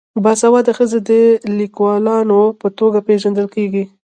باسواده ښځې د لیکوالانو په توګه پیژندل کیږي.